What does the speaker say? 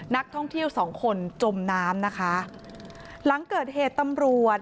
นักท่องเที่ยวสองคนจมน้ำนะคะหลังเกิดเหตุตำรวจ